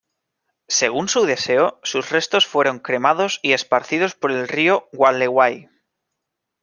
Según su deseo, sus restos fueron cremados y esparcidos por el río Gualeguay.